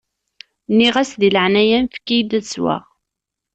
Nniɣ-as: Di leɛnaya-m, efk-iyi-d ad sweɣ.